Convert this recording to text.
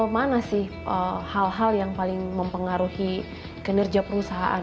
mana sih hal hal yang paling mempengaruhi kinerja perusahaan